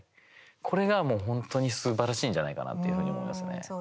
これが、もう本当にすばらしいんじゃないかなというふうに思いますね。